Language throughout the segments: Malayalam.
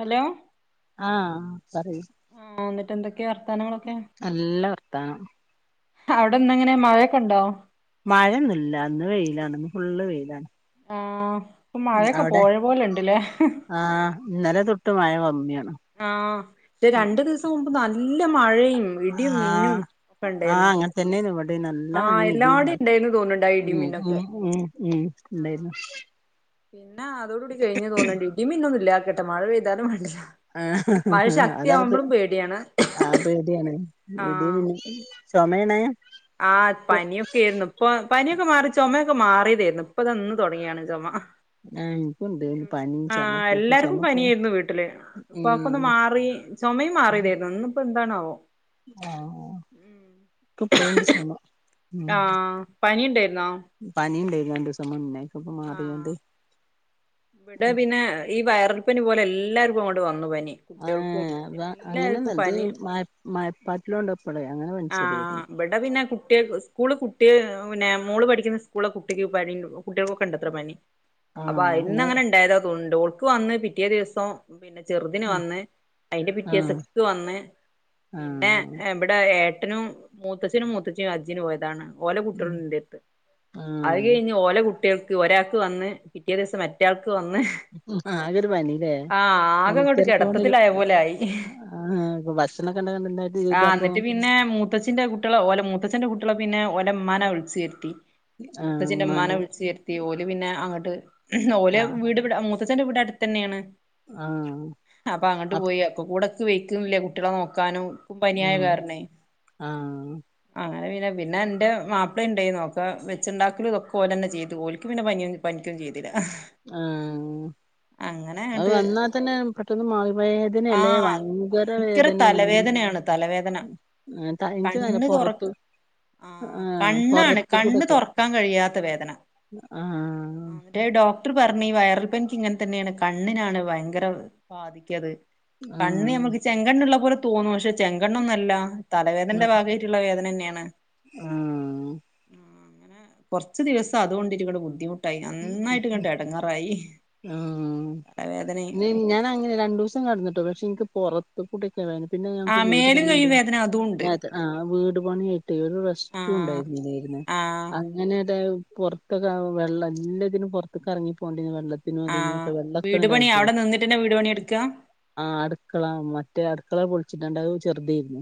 ഹലോ ആഹ് പറയൂ ആഹ് എന്നിട്ട് എന്തൊക്കെയാ വർത്താനങ്ങളൊക്കെ നല്ല വർത്താനം അവിടെ ഇന്ന് എങ്ങനെ മഴയൊക്കെ ഉണ്ടോ മഴൊന്നില്ല ഇന്ന് വെയിലാണ് ഇന്ന് ഫുള്ള് വെയിലാണ് ആഹ് ഇപ്പ മഴൊക്കെ അവിടെ പോയ പോലെ ഉണ്ടല്ലേ ആഹ് ഇന്നല തൊട്ടു മഴ കമ്മിയാണ് ആഹ് രണ്ടു ദിവസം മുമ്പ് നല്ല മഴയും ഇടിയും ആഹ് മിന്നും ഒക്കെ ആഹ് ഉണ്ടായിരുന്നു അങ്ങ അങ്ങനെ തന്നെ ഇവിടെ നല്ല ആഹ് മഴയും ഇടിയും എല്ലാടേം ഇണ്ടായിന്ന് തോന്നുന്നുണ്ട് ആ ഇടിയും ഉം മിന്നൊക്കെ ഉം ഉം ഉം ഉണ്ടായിരുന്നു പിന്നെ അതോടൂകൂടി കഴിഞ്ഞ് തോന്നേണ്ടി ഇടി മിന്നൊന്നും ഇല്ല കേട്ട മഴ പെയ്താനും വേണ്ടില്ല മഴ ആഹ് അതായത് ശക്തിയാവുമ്പോഴും പേടിയാണ് ആഹ് പേടിയാണ് ഇടി ആഹ് മിന്നു സമയന ആഹ് പനിയൊക്കെ ആരുന്നു ഇപ്പൊ പനിയൊക്കെ മാറി ചുമയൊക്കെ മാറിയതായിരുന്നു ഇപ്പ ഇതന്ന് തുടങ്ങിയാണ് ചുമ എനിക്കുണ്ട് പനിയും ആഹ് ചുമയൊക്കെയായിട്ട് എല്ലാർക്കും ചുമ ഇപ്പളും പനിയായിരുന്നു വീട്ടില് ഉം ഇപ്പക്കൊന്ന് മാറി ചുമയും മാറിയതായിരുന്നു ഇന്നിപ്പോ എന്താണാവോ ആഹ് അ ക്ക് ഇപ്പഴൂ ണ്ട് ചൊമ ആഹ് പനി ഇണ്ടാരുന്നോ പനിയ ഇണ്ടായിന്നു രണ്ട് മാസംമുന്നെ അതൊക്കെ പ്പോ ആഹ് മാറിയണ്ട് ഇവിടെ പിന്നെ ഈ വയറൽപ്പനി പോലെ എല്ലാർക്കും അങ്ങോണ്ട് വന്നു പനി കുട്ടികൾക്കും ആഹ് അത അങ്ങനെ എല്ലാർക്കും പനി നല്ലഇത് മായപ്പാറ്റല് കൊണ്ടാപ്പളെ അങ്ങനെ പനിച്ചതെരുന്നു വടെ പിന്നെ കുട്ടിയ സ്കൂള് കുട്ടിയ പിന്നെ മോള് പഠിക്കുന്ന സ്കൂളിലെ കുട്ടിക്ക് പനിണ്ട് കുട്ടിയാകോക് കണ്ടത്ര പനി അപ്പൊ അ ആഹ് അങ്ങനെ യിന്നഅങ്ങനെ ഇണ്ടായതോണ് ണ്ട് ഓൾക്ക് വന്ന് പിറ്റേ ദിവസം പിന്നെ ചെറുതിന് വന്ന് അതിന്റെ പിറ്റെസം ആഹ് ഇക്ക് വന്ന് പിന്നെ ആഹ് എവടെ ഇടെ ഏട്ടനും മൂത്തച്ഛനും മൂത്തച്ചീ ഹജ്ജിന് പോയതാണ് ഓല കുട്ടോൾ ണ്ട് ന്റര്ത് അത് ആഹ് കഴിഞ്ഞ് ഓലകു കുട്ട്യാൾക്ക് ഒരാൾക്ക് വന്ന് പിറ്റേ ദിവസം മറ്റാൾക്ക് വന്ന് ആയ്ലോരു പനിലെ ആ ആകെ പനി അങ്ങോട്ട് ത്തരക്കൊണ്ട് രു കിടത്തത്തിലായ പോലെ ആയി ആഹ ഇപ്പൊ ഭക്ഷണക്കെണ്ട ഇണ്ട് [inaudible] അപ്പൊ മൂത്തച്ചിന്റെ കുട്ട്യാളെ ഓല മുത്തച്ഛന്റെ കുട്ട്യാളെ പിന്നെ ഓലമ്മാനെ വിളിച്ചു വരുത്തി ആഹ് മൂത്തച്ചിന്റെ മ്മാനെ ഉമ്മാന്റെ വിള നിർത്തി ഓല് പിന്നെ അങ്ങട്ട് ഓലെ ആഹ് വീട് മൂത്തച്ചിന്റെ വീടെ അടുത്ത് തന്നെയാണ് ആഹ് അപ്പ അങ്ട്ട് അപ് പോയിഒക്ക കൂടെക് വെയ്ക്കുന്നില്ല കുട്ടികളെ നോക്കാനും ക്കും പനിയായ ഉം കാരണയ് ആഹ് അങ്ങനെ പിന്നെ പിന്നെ ഇന്റെ മാപ്പിള ഇണ്ടായിനോക്ക വെച്ചുണ്ടാക്കലും ഇതൊക്കെ ഒലെന്നെ ചെയ്യും ത് ഓൽക് പിന്നെ പനിയൊന്നും പനിക്കും ചെയ്തില്ല ആഹ് അങ്ങനെ അത് അങ്ങട്ട് വന്നാൽ തന്നെ പെട്ടന്ന് മ ആ വേദനയല്ലേ ഭയങ്കര വേദനയാണ് മേ തലവേദനയാണ് തലവേദന ഇൻക് തന്നെ പോറത്ത് ആഹ് കണ്ണാണ് കണ്ണ് തൊറക്കാൻ കഴിയാത്ത വേദന ആഹ് മറ്റേ ഡോക്ടർ പറഞ്ഞേ വയറൽ പനിക്ക് ഇങ്ങനെ തന്നെണ് കണ്ണിനാണ് ഭയങ്കര ബാധിക്കത് കണ്ണ് നമ്മക്ക് ആഹ് ചെങ്കണ്ണ്ള്ള പോലെ തോന്നും പക്ഷെ ചെങ്കണ്ണൊന്നുല്ല തലവേദന്റെ ഭാഗമായിരിക്കും ള്ള വേദനന്നെയാണ് ആഹ് ആഹ് കൊറച് ദിവസം അതുകൊണ്ടിരിക്കണ ബുദ്ധിമു ട്ടായ് നന്നായിട്ട്ങ്ട്ട് ഏടങ്ങാറായി ആഹ് തലവേദനി ഒക്കെ ഞാൻ അങ്ങനെ രണ്ടൂസം കട ന്നു ട്ടോ പക്ഷെ എനിക്ക് പോറത്ത് കൂട്യൊക്കെവേദന പിന്നെ ആ ഞങ്ങക്ക് വീട് മേലും പണിണ്ട് കയ്യും വേദന അതും ഉണ്ട് വേദന ആഹ് വീട് പണിആയിട്ട് ഒരു ആ റെസ്റ്റും ഇണ്ടായിരുന്നില്ലയ്രുന്നു ആ അങ്ങനെയായിട്ട് പുറത്ക്കെ വെള്ളം എല്ലാതിനും പുറത്തൊക്കെറങ്ങി പോണ്ടിരുന്നു വെള്ളത്തി ആ ന്അതിനഇതിനൊക്കെ വെള്ളൊക്കെ വീട് പണി ഇണ്ടായിട്ട് അവിടെ നിന്നിട്ട്ന്നെ വീട് പണി എടുക്ക ആഹ് അടുക്കള മറ്റേ അടുക്കള പൊളിച്ചിട്ടണ്ട് അത് ചെറുതായിരുന്നു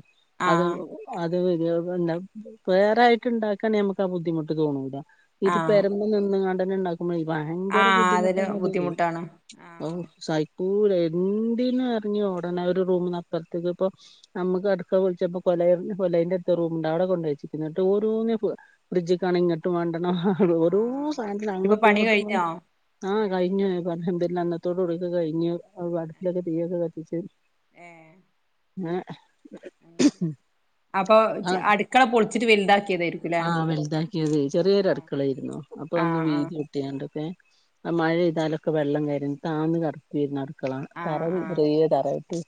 ആ അത് അത് ഇത് എന്ത വേറായിട്ട് ഇണ്ടാക്കാൻ നമക്ക് ആ ബുദ്ധിമുട്ട് തോന്നൂല ആ ഇത് പേരമ്മെ നിന്നുംങ്ങണ്ടന്നെ ഇണ്ടാക്കുമ്പോ ആ ഭയങ്കര അതൊരു ബുദ്ധിമുട്ടാണത് ബുദ്ധിമുട്ടാണ് ആ ഔ സൈക്കൂല എന്തീന്ന് എറിങ്ങി ഓടനെ ഒരു റൂമിന്ന് അപ്പറത്തേക്ക്പ്പോ നമുക്ക് അടുക്കള പോളിച്ചപ്പോ കൊല കൊലയ്ന്റടുത്ത് റൂമുണ്ട് അവിടെ കൊണ്ട് വച്ചിട്ട് തിന്നട്ട് ഓരോന്നിനും ഫ്രിഡ്ജികാണ ഇങ്ങട് മണ്ടണം ആ ഓരോ സാധനത്തിനും ഇപ്പൊ അങ്ട്ടും പണി ഇങ്ട്ടും പോണം കഴിഞ്ഞോ ആഹ് കയ്ഞ്ഞു പഅൽഹംദുലില്ലാഹ് ഇന്നത്തോട് ടിക്കെ കഴിഞ്ഞു അടുപ്പിലൊക്കെ തീയോക്കെ കത്തിച്ച് ഏഹ് അങ്ങനെ അപ്പൊ അടുക്കള പൊളിച്ചിട്ട് വലുതാക്കിയതായിരിക്കും ആഹ് വലുതാക്കിയത് ചെറിയൊരു അടുക്കളായിരുന്നു അപ്പ ആ ഒന്ന് വീതികു ട്ടിയാണ്ക്കെ മഴ എയ്താലൊക്കെ വെള്ളംവരും താന്ന് കെടക്കു വായിരുന്നു അടുക്കള ആ പെര ആ ആ ചെറിയ തറയിട്ട്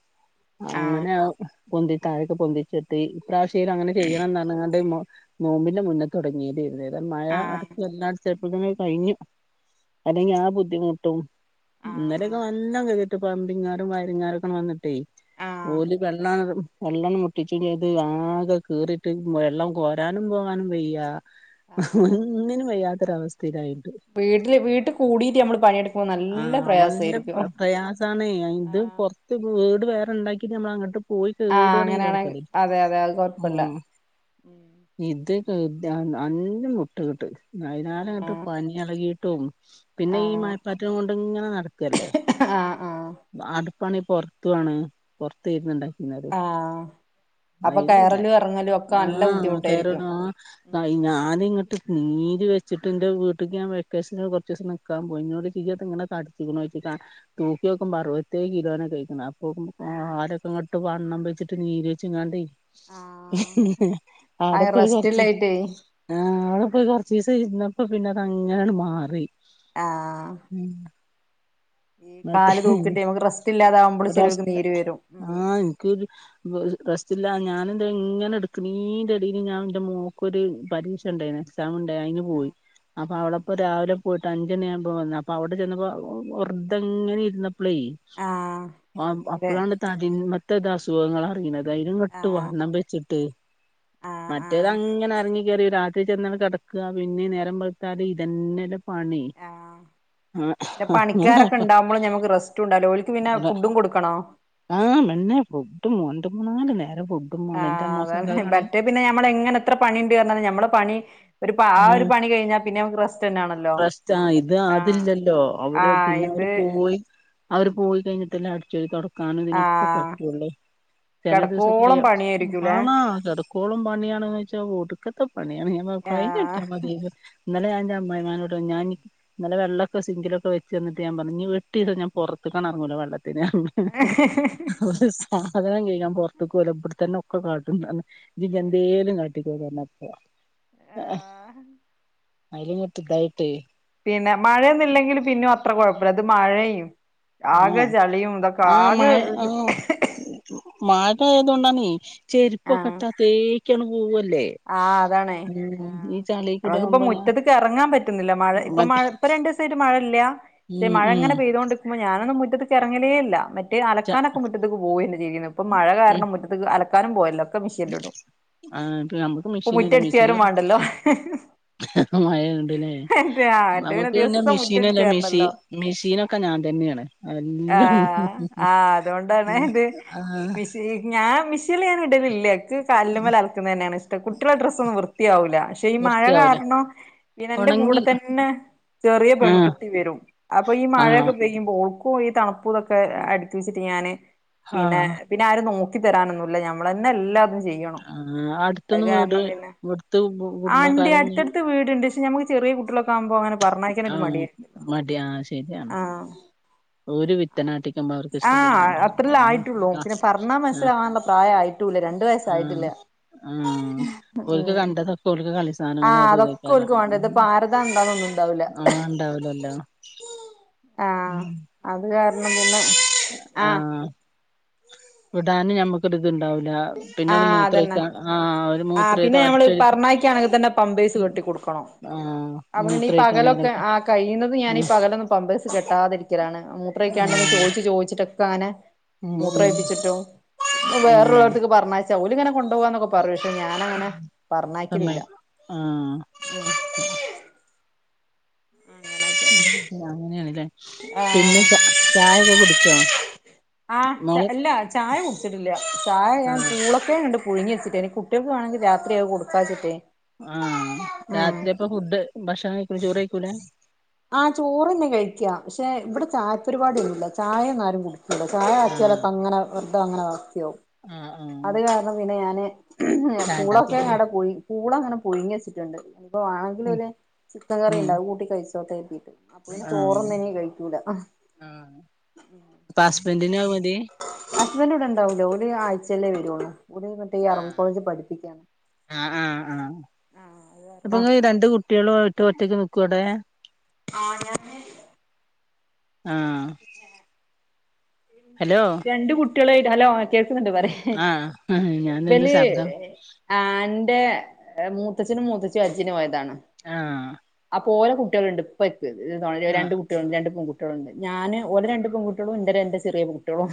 ആ അങ്ങനെഅത് പൊന്തി താഴൊക്കെ പൊന്തിച്ച് തി ഇപ്രാവശ്യലും അങ്ങനെ ചെയ്യണന്നറ ഞ് ങ്ങാണ്ട് നോമ്പിന്റെ മുന്നേ തുടങ്ങയിത് രുന്നുന്നേരം മഴ അടക്കെ എല്ലാ ചെറ്പ്പത്തിന് അത് കഴിഞ്ഞു അല്ലെങ്കിൽ ആ ബുദ്ധിമുട്ടും ആ ആ ഇന്നലെയൊക്കെ നല്ല കഴുകി പ്ലംബിംഗ്കാര് വയറിംഗ് കാരൊക്കെ വന്നിട്ടേ ആ ഓലി വെള്ളം വെള്ളം മുട്ടിച്ചും ചെയ്ത് ആകെ കീറിട്ട് വെള്ളം കോരാനും പോകാനും വയ്യ ആ ഒന്നിനും വയ്യാത്തൊരവസ്ഥയിലായിട്ട് വീട്ടില് വീട്ടിൽ കൂടീട്ട് നമ്മള് പണിയെടുക്കുമ്പോ നല്ല പ്രയാസയിരിക്കും ഇതാണേ ഇത് പുറത്ത് വീട് വേറെണ്ടാക്കിട്ട് നമ്മൾ അങ്ങട്ട് പോയി ആഹ് [unintelligible] അങ്ങനെയാണെ തരക്കേടില്ല അതെ അതെ അത് മം കൊഴപ്പല്ല ഇത് കെ അന്നം മുട്ടങ്ങട്ട് അയ്നാലേ ങ്ങട്ട് ആഹ് പനി ഇളകിട്ടും പിന്നെ ഈ മഴപ്പാറ്റൽ കൊണ്ടങ്ങനെ നടക്കല്ലേ ആ അടുപ്പാണി പൊറത്തുവാണ് പൊറത്താരുന്നു ഇണ്ടാക്കിര്ന്നത് ആഹ് ആ അപ്പൊ കയറലും [unintelligible] എറങ്ങലും ഒക്കെ നല്ല ആഹ് ബുദ്ധിമുട്ടായിരിക്കും [unintelligible] ആ ഉം ഞാനിങ്ങട്ട് നീര് വെച്ചിട്ട് ന്റെ വീട്ട്ക്ക് ഞാൻ വെക്കേഷന് കുറച്ചോസം നിക്ക ക്കാൻ പോയി എന്നോടൊയ്ച്ചു ഇത്താങ്ങനെ തടിച്ക്ണോയ്ച്ചു ക തു ക്കുമ്പോ അറുപത്തേഴ്‌ കിലോനെ കേക്ക്ന്നത് അപ്പോക്കുമ്പോ കാലൊക്കെ ട്ട് വണ്ണം വെച്ചിട്ട് നീര് വെച്ചുങ്ങാണ്ടേ ആഹ് ആട ആഹ് പോയി കൊറച്ച് റെസ്റ്റില്ലായിട്ടേ ആഹ് അവടെ പോയി കുറച്ചീസം ഇര്ന്നപ്പോ പിന്നെ അതങ്ങനങ്ങ് മാറി ആഹ് ഈ ന്നട്ട് കാല് തൂക്കിട്ട് നമുക്ക് റെസ്റ്റ് ഇല്ലാതാവുമ്പള് ചെലോർക്ക് നീര് വരും ആ ഇൻക് റസ്റ്റില്ല ഞാന ന്താ ഇങ്ങനെ എടുക്കണീന്റെ ഇടേൽ ഞാൻ എന്റെ മോക്കൊരു പരീക്ഷണ്ടായിനി എക്സാം ഉണ്ടായി അയിന് പോയി ആഹ് അപ്പൊവടെ ആഹ് പ്പോ രാവിലെ പോയിട്ട് അഞ്ചണി ആകുമ്പോ വന്നു അപ്പൊ അവിടെ ചെന്നപ്പോ ഒർ തങ്ങനെ ഇരുന്നപ്പളേ ആഹ് നീര് അപ്പളാണ് തടിമത്തേ അസുഖങ്ങൾ അറിന്ന ധൈര്യം വിട്ടു ആഹ് വണ്ണം വച്ചിട്ട് ആഹ് ആഹ് മറ്റേതങ്ങനെ ഇറങ്ങി കേറി രാത്രി ചെന്നട് കെടക്ക പിന്നെ നേരം വെള്ത്താല് ഇതന്നെയല്ല പണി ആ പണിക്കാരൊക്കെ അങ്ങനെ ഉണ്ടാവുമ്പോ ഞമക്ക് റെസ്റ്റൂണ്ടാവൂല ഓല്ക്ക് പിന്നെ ഫുഡും കൊടുക്കണോ ആ മന്നെ ഫുഡും രണ്ട് മൂന്നാല് നേരം ഫുഡും ആ മാണം ന്റെ അതാണ് അമ്മോശക്കക്കാണെങ്കി മറ്റേ പിന്നെ ഞമ്മളെ എങ്ങനെ എത്ര പണിണ്ട് പറഞ്ഞാലും ഞമ്മളെ പണി ഒരു ആ ഒരു ഉം പണി കഴിഞ്ഞാ പിന്നെ നമുക്ക് റെസ്റ്റന്നെ ആണല്ലോ റെസ്റ്റാ ഇത് ആ അതില്ലല്ലോ ആ അവര് പിന്നെ ഇത് അവര് പോയി അവര് പോയി കഴിഞ്ഞിട്ടല്ലെ അടിച്ചൊരി തൊട ക്കാനും ആ ഇതിനൊക്കെ പറ്റുള്ളെ ചില കിടക്കോളം ദിവസക്കാണ പണിയായിരിക്കൂലേ [unintelligible] ക്കോളും പണിയാണന്ന് വെച്ചാ ഒടുക്കത്തെ പണിയാണ് മ്മ ആ കൈഞ്ട്ടിയാ മതിയെനി ഇന്നലെ ഞാന്റെ അമ്മായിമ്മനോടർഞ് ഞാ ഇന്നലെ വെള്ളൊക്കെ സിങ്കിലൊക്കെ വെച്ചെന്നിട്ട് ഞാൻ പറഞ് എട്ടിസം ഞൻ പുറത്തക്കടറെങ്ങൂല വെള്ളത്തിന്‌ ഒരു സാധനം കെയ്കാൻ പുറത്ക് പോല എവടെത്തന്നെ ഒക്കെ കാട്ടും ജ് എന്തേലും കാട്ടിക്കോ പറഞ്ഞ പോവാ ആ അയ്ല്ങ്ങട്ട് തായിട്ട് പിന്നെ മഴയൊന്നില്ലെങ്കിൽ പിന്നും അത്ര കുഴപ്പമില്ല അത് മഴയും ആകെ ആഹ് ചളിയും ഇതൊക്കെ ആകെ- മഴയത കൊണ്ടണീ ചെരുപ്പൊക്കെ ഇട്ടാൽ തേക്കിയണ്ട പോവല്ലേ ആ അതാണ് ഉം ചളീക്കൂടെ ഞങ്ങൾക്ക് പ്പോ ആവുമ്പോ ഞാൻ മുറ്റത്ത്ക്ക് ഇറങ്ങാൻ പറ്റുന്നില്ല മഴ ഇപ്പൊ മഴ മറ്റേ ഇപ്പൊ രണ്ടോസയിട്ട് മഴല്ല ക്ഷെ ഉം ഉം മഴങ്ങനെ പെയ്തോണ്ട്ക്കുമ്പോ ഞാനൊന്നും മുറ്റത്ത്ക്ക് ഇറങ്ങലേല്ല മറ്റ് ച അലക്കാനൊക്കെ മുറ്റ മുറ്റത്ത പോവന്നേ ചെയ്യനെ ഇപ്പ മഴ ഉം കാരണം മുറ്റത്ത അലക്കാനും പോവല്ല ഒക്കെ മെഷീൽ ഇടും ആ ഇപ്പ നമ്മക്ക് മെഷീൻല്ല മെഷീന വാരും വാണ്ടല്ലോ മഴ ഉണ്ട്ല്ലേ ആഹ് മറ്റേ നമ്മക്ക് പിന്നെ ദിവസം മുറ്റടിച്ച് മെഷീനല്ലേ മെഷി വാരണല്ലോ മെഷീനൊക്കെ ഞാൻ തന്നെയാണ് എല്ലാം മിഷല് ഞാൻ മിഷൽ ഞാൻ ഇടലില്ല എക്ക് കല്ല്മല് അലക്കുന്ന തന്നെയാണ്ഷ് കുട്ട്യേളെ ഡ്രസ്സൊന്നും വൃത്തിയാവൂല്ല പ ക്ഷെ ഈ മഴ വൃത്തിയാവൂല കാരണം ലിനന്റെ കൂടെ ഒണങ്ങി തന്നെ ചെറിയ ആഹ് പെൺകുട്ടി വരും അപ്പൊ ഈ ആഹ് മഴയൊക്കെ മോൾക്കു ഈ തണുപ്പൂ ഇതൊക്കെ അടുക്ക വെച്ചിട്ട് ഞാന് പിന്നെ ആഹ് പിന്നെ ആരും നോക്കി തരാനൊന്നുല്ല നമ്മളന്നെ എല്ലാതും ചെയ്യണം ആ അത് ഹ്അടുത്തൊന്ന് വീട് കാരണം ഇവിടുത്ത കുടുംബക്കാരൊന്നും അടുത്ത് വീട്ണ്ട് ശെ നമക്ക് ചെറിയ കുട്ടളെ ആകുമ്പോ അങ്ങനെ പറഞ്ഞക്കാനൊരു ആഹ് മടി മടിയാ ആഹ് ശരിയാണ് ആഹ് ഒരു വിത്തനാട്ടിക്കുമ്പോ അവർക്ക് ആ ഇഷ്ടപ്പെടലുണ്ടാവില്ല ഹ്അത്രല്ലേ ആഹ് ആയിട്ടുള്ളൂ പിന്നെ പർഞാ ആഹ് മൻസ്സിലാവാള്ള പ്രായയി ട്ടുല്ല രണ്ടു ആഹ് വയസായിട്ടില്ല ആഹ് ആഹ് ഓൽക് കണ്ടത് സ്കൂൾക്ക് കളി സാധനങ്ങളും ആഹ് അത് അതൊക്കെ ഉതക്കാര ഓൽക്ക് വാണ്ടേ ഇത് പാരതാ എന്താന്നൊന്നും ഉണ്ടാവൂല ആ ഉണ്ടാവല്ലോ ആ ഹ്അത് കാരണം പിന്നെ ആ ആഹ് ഹ് വിടാന് ഞമ്മ ക്ക് ഒര്തുണ്ടാവില്ല പിന്നെ ഒന്ന് ആഹ് മൂത്ര അതന്നെ ആ ഒരു ആഹ് മൂത്ര പിന്നെ അടച് കൊടുക്കണോ അപ്പൊ ഈ പകലൊക്കെ ആ കഴിയുന്നത് ഞാൻ ഈ ഉം പകലൊന്നും പമ്പേഴ്സ് കെട്ടാതിരിക്ക ക്കലാണ് ആ മൂത്രൊക്കൊണ്ടെന്ന് ആഹ് ചോദിച്ച് ചോദിച്ച് ട്ട് ഉം ഉം കാനെമൂത്രയ്പ്പിച്ചിട്ടും ആഹ് വേറള്ള ത്തേക്ക്പറഞ്ഞച്ച ഓലിങ്ങനെ കൊണ്ട് പോവാന്നൊക്കെ പറഞ്ഞു പക്ഷെ ഞാനങ്ങനെ പറഞ്ഞ യക്കലില്ല സമ്മയിക്കും ആഹ് ഉം എങ്ങനെ ഉം യെ അങ്ങനേണ്ല്ലേ ആഹ് പിന്നെ ച ചായൊക്കെ കുടിച്ചോ ആഹ് മോള് ഇല്ല ചായ കുടിച്ചിട്ടില്ല ചായ ഞാൻ ആഹ് പൂള ക്കേങ്ങ് ണ്ട് പുഴിങ്ങി വെച്ചിട്ട് ഇനി കുട്ടിയേക്ക് വേണെങ്കിൽ രാത്രി അഹ് കൊടുക്കാച്ചിട്ടേ ആഹ് ഉം രാത്രിയപ്പൊ ഫുഡ് ഭക്ഷണം കഴിക്കൂല ചോറ് കഴിക്കൂല ആഹ് ചോറെന്നെ കഴിക്കാ പക്ഷെ ഇവിടെ ചായ പരിപാടിഒന്നുല്ല ചായങ്ങാരും കൂടി ക്കൂല ചായ ആഹ് കാച്ചിയലൊക്കെ അങ്ങനെ അഹ് വെർതെ അങ്ങനെ വാക്ക്യാവും ആഹ് ആഹ് അത് കാരണം പിന്നെ ഞാന് ചായ ഉണ്ടാക്കൂലല്ലേ പൂളക്കേങ്ങടെ പൂളങ്ങനെ പുഴുങ്ങി വെച്ചിട്ട്ണ്ട് അപ്പൊ വാണെങ്കിലോല് ഉം ചിക്കൻകറിൻണ്ട് ഉം അഹ് കൂട്ടി കഴിച്ചോട്ടേര്തിട്ട് അപ്പൊ പിന്നെ ആഹ് ചോറൊന്നുനി കഴിക്കൂല ആഹ് അപ്പ ഹസ്ബന്റിന് അഹ് മതി ഹസ്ബന്റ് ഇവിടെണ്ടാവൂല ഓര് ആയ്ചേലെ വെരൊള്ളു ഓല് മറ്റേ ഈ അറബി ആഹ് കോളേജില് പഠിപ്പിക്കാണ് ആഹ് ആഹ് ആഹ് അപ്പൊ കാരണം ങ്ങള് രണ്ട് കുട്ടിയാളും ആയിട്ട് ഒറ്റക്ക് നിക്കോ അടെ ആഹ് ഞാന് ആഹ് എന്റെത് ഹലോ രണ്ട് കുട്ടിയെളേറ്റ് ഹലോ കേൾക്ക്‌ന്ന്ണ്ട് പറി ഉം ആഹ് ഏ ഞാൻ നിന്ന് ബല് ശബ്ദം ആഹ് ന്റെ മൂത്തച്ഛനും മൂത്തച്ചിം ഹജ്ജിന് പോയതാണ് ആഹ് അപ്പൊ ഓലെ കുട്ടിയേള്ണ്ട് പ്പെര്ത്ത് ന്താ ണ് ആഹ് രണ്ട് കു ട്ടിയാള്ണ്ട് രണ്ട് പെൺകുട്ടിയാള്ണ്ട് ഞാന് ഓലെ രണ്ട് പെൺകുട്ടിയോളും ന്റെ രണ്ട് ചെറിയെ കുട്ടിയോളും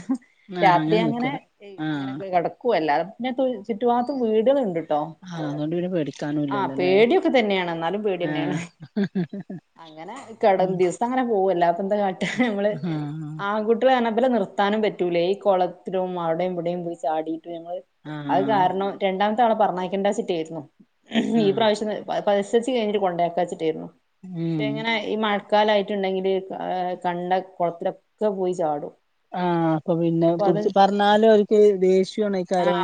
ആഹ് രാത്രി അങ്ങനെ നിക്കല് എയ്‌ ആഹ് അങ്ങനെ ക്കെ കെടക്കും അല്ലാതെ പിന്നെപ്പൊ ചുറ്റു ഭാഗത്തു വീടേള് ണ്ട് ട്ടോ ആഹ് അതുകൊണ്ട് പിന്നെ പേടിക്കാനും ആഹ് ഇല്ലല്ലോല്ലേ പേടിയൊക്കെതന്നെണ് ന്നാലും പേടിയെന്നെണ് ആഹ് അങ്ങനെ കടം ഉം ദിവസം അങ്ങനെ പോകും അല്ലാപെന്താകാട്ടാ ഞമ്മള് ആഹ് ആങ്കു ട്ട്ള് റഞ്ഞ ബലെ നിർത്താനും പറ്റൂലേയ് ഈ കൊളത്തിലും അവിടേം ഇവടിം പോയി ചാടിട്ട് ഞങ്ങള് അത് ആഹ് കാരണം രണ്ടാമത്തെ ആളെ പറഞ്ഞയക്കണ്ടാച്ചിറ്റായിരുന്നു ഈ ആഹ് പ്രാവശ്യം പ പ എസെൽസി കഴിഞ്ഞിട്ട് കൊണ്ടേക്കാച്ചിട്ടേര്ന്നു പക്ഷെ ഉം ഇങ്ങനെ ഈ മഴ ക്കാലായിട്ട്ണ്ടെങ്കില് കാ കണ്ട കൊളത്തിലൊക്ക പോയി ചാടും ആഹ് അപ്പൊ പിന്നെ അപ്പൊ അത് പുടിച്ച് പറഞ്ഞാലും ഓല്ക്ക് ദേശ്യോണെ ക്കാരം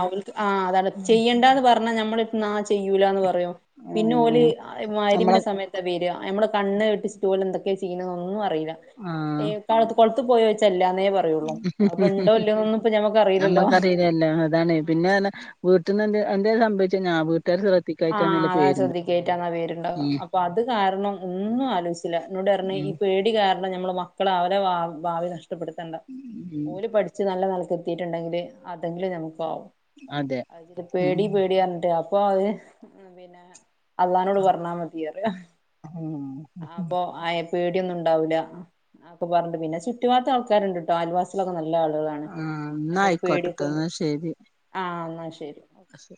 അതാണ് ഉം ചെയ്യണ്ടാന്ന് പറഞ്ഞ ഞമ്മളെട്ത്ത്ന്ന് ആഹ് ചെയ്യൂലാന്ന് പറയും പിന്നെ ഓല് ആഹ് ആ ഹ് നമ്മളെ മഹ്രിബിന്റെ സമയ ത്തവെരാ ഞമ്മളെ കണ്ണ് വെട്ടിച്ച്ട്ട് ഓല് എന്തൊക്കെ ചെയ്യ്ന്ന്ന്നൊന്നും അറിയൂല ആഹ് ഏഹ് കാളത്ത് കൊളത്ത് പോയോയ്ച്ച ഇല്ലാന്നേ പറയുള്ളൂ അപ്പൊ ഇണ്ടോ ഇല്ലോനൊന്നും ഇപ്പൊ ഞമ്മക്ക് അറിയില്ലല്ലോ യെല്ല അതാണേ പിന്നെറഞ്ഞ വീട്ട്ന്ന് എന്ത്‌ എന്തേലും സംഭവിച്ചഴിഞ്ഞ ആഹ് വീട്ടേര് ശ്ര ആഹ് അതാ ശ്രദ്ധിക്കേയ്റ്റാന്നാ പേര്ണ്ടാവ ഉം അപ്പൊ അത് കാരണം ഒന്നും ആലോയ്ച്ചില്ല ന്നോട് റഞ്ഞ് ഉം ഈ പേ ടി കാരണം ഞമ്മള് മക്കളെ അവരെ ഭാ ഭാവി നഷ്ടപ്പെട്ത്തണ്ട ഉം ഓല് പഠി ച്ച് നല്ല നെലക്ക് എത്തിട്ട്ണ്ടെങ്കില് അതെങ്കിലും ഞമുക്ക് ആവും അതെ അത്ച്ചിട്ട് ഉം പേടി പേടി അറഞ്ഞിട്ട് അ പ്പൊ അത് ഉം പിന്നെ അള്ളാനോട് പറഞ്ഞാ മതി റയും ഉം അപ്പൊ ആയെ പേടിയൊന്നും ഉണ്ടാവൂല്ല ആഹ് അ പ്പൊ പറഞ്ഞ് ട്ട് പിന്നെ ചുറ്റുഭാത്ത് ആൾക്കാര്ണ്ട്ട്ടോ അയൽവാസിളൊക്ക നല്ല ആളുകളാ ആഹ് ന്നാ ആയ്ക്കോട്ടെട്ടോ ന്നാ ശരി ആഹ് ന്നാ ശരി ഓ അശെ